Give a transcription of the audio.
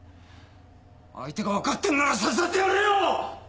相手がわかってるならさっさとやれよ！